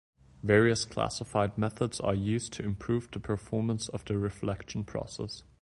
Various classified methods are used to improve the performance of the reflection process.